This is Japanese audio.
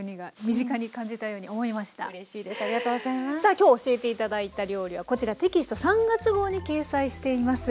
今日教えて頂いた料理はこちらテキスト３月号に掲載しています。